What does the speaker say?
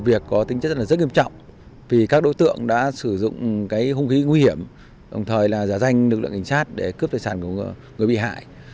việc có tính chất rất nghiêm trọng vì các đối tượng đã sử dụng hông khí nguy hiểm đồng thời giả danh lực lượng cảnh sát để cướp tài sản của người bị hại